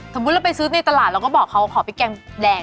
สมมุติเราไปซื้อในตลาดเราก็บอกเขาขอพริกแกงแดง